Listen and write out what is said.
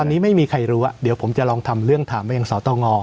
ตอนนี้ไม่มีใครรู้เดี๋ยวผมจะลองทำเรื่องถามไปยังสตง